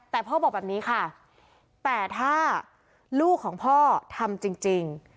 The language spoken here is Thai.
แต่พ่อบอกแบบนี้ค่ะแต่ถ้าลูกของพ่อทำจริง